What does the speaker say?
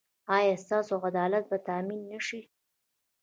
ایا ستاسو عدالت به تامین نه شي؟